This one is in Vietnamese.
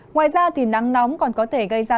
ngoài ra nắng nóng còn có thể gây ra